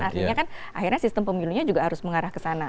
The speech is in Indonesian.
artinya kan akhirnya sistem pemilunya juga harus mengarah ke sana